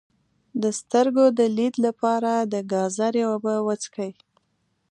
د سترګو د لید لپاره د ګازرې اوبه وڅښئ